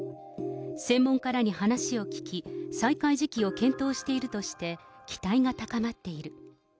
専門家等に話を聞き、再開時期を検討しているとして、期待が高まっている。